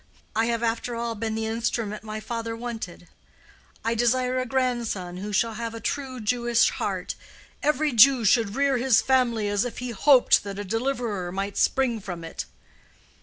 I have after all been the instrument my father wanted.—'I desire a grandson who shall have a true Jewish heart. Every Jew should rear his family as if he hoped that a Deliverer might spring from it.